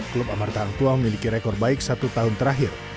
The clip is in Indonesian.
klub amartahang tua memiliki rekor baik satu tahun terakhir